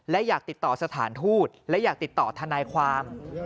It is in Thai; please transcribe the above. และอยากติดต่อสถานทูตและอยากติดต่อทนายความ